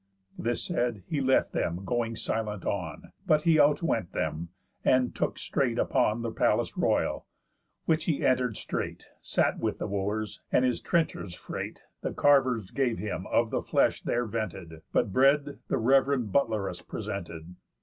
This said, he left them going silent on; But he out went them, and took straight upon The palace royal, which he enter'd straight, Sat with the Wooers, and his trencher's freight The carvers gave him of the flesh there vented, But bread the rev'rend butleress presented.